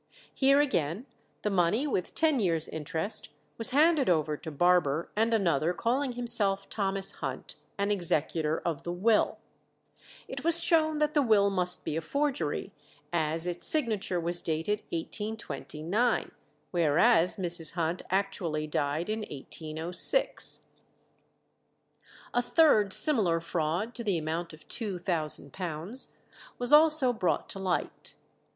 Here again the money, with ten years' interest, was handed over to Barber and another calling himself Thomas Hunt, an executor of the will. It was shown that the will must be a forgery, as its signature was dated 1829, whereas Mrs. Hunt actually died in 1806. A third similar fraud to the amount of £2000 was also brought to light.